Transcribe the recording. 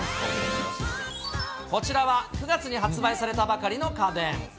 こちらは９月に発売されたばかりの家電。